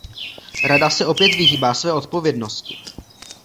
Rada se opět vyhýbá své odpovědnosti.